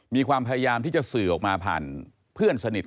มีความพยายามที่จะสื่อออกมาผ่านเพื่อนสนิท